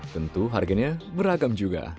tentu harganya beragam juga